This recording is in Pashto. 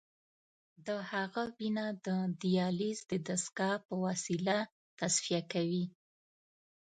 د هغه وینه د دیالیز د دستګاه په وسیله تصفیه کوي.